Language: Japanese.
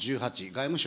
外務省、